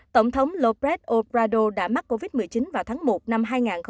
tổng thống lópez obrador đã mắc covid một mươi chín vào tháng một năm hai nghìn hai mươi một